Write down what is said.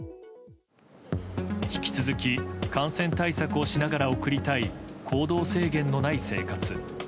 引き続き感染対策をしながら送りたい行動制限のない生活。